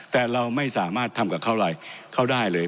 แต่เราไม่สามารถทำกับเขาอะไรเขาได้เลย